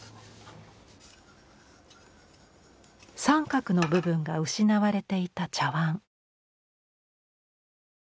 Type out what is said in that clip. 三角の部分が失われていた茶碗。